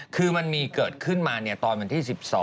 คือมันมีเกิดขึ้นมาตอนวันที่๑๒